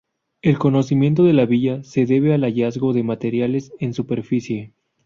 El conocimiento de la villa se debe al hallazgo de materiales en superficie.